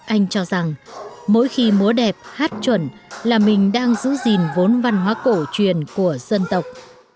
anh cho rằng mỗi khi múa đẹp hát chuẩn là mình đang giữ gìn vốn văn hóa cổ truyền của dân tộc